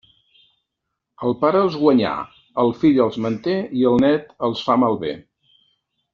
El pare els guanyà, el fill els manté i el nét els fa malbé.